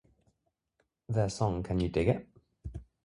Their song Can You Dig It?